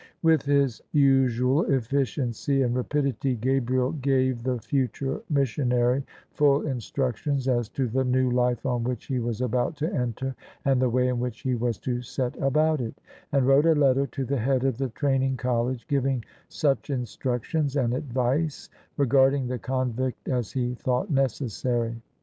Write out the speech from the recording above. With his usual eflSciency and rapidity Gabriel gave the THE SUBJECTION OF ISABEL CARNABY future missionary full instructions as to the new life on which he was about to enter, and the way in which he was to set about it; and wrote a letter to the head of the Train ing College giving such instructions and advice regarding the convict as he thought necessary.